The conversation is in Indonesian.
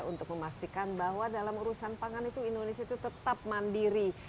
untuk memastikan bahwa dalam urusan pangan itu indonesia itu tetap mandiri